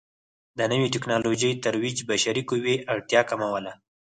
د نوې ټکنالوژۍ ترویج بشري قوې اړتیا کموله.